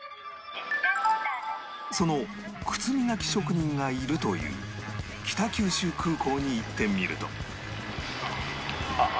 その靴磨き職人がいるという北九州空港に行ってみると